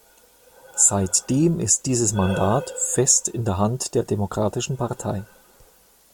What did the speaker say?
Seitdem ist dieses Mandat fest in der Hand der Demokratischen Partei.